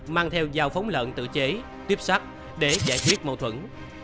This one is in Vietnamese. mang theo dao phóng lợn tự chế tiếp sát để giải quyết mâu thuẫn